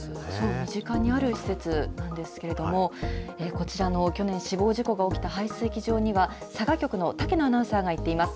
身近にある施設なんですけれども、こちらの去年死亡事故が起きた排水機場には、佐賀局の竹野アナウンサーが行っています。